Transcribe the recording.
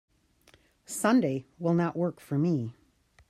Sunday will not work for me.